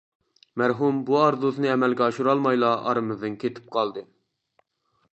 مەرھۇم بۇ ئارزۇسىنى ئەمەلگە ئاشۇرالمايلا ئارىمىزدىن كېتىپ قالدى!